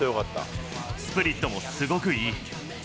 スプリットもすごくいい。